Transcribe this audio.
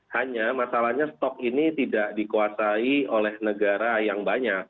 hanya masalahnya stok ini tidak dikuasai oleh negara yang banyak